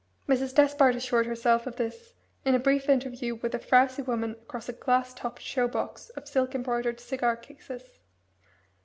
Mrs. Despard assured herself of this in a brief interview with a frowsy woman across a glass topped show box of silk embroidered cigar cases.